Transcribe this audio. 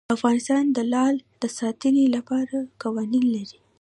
افغانستان د لعل د ساتنې لپاره قوانین لري.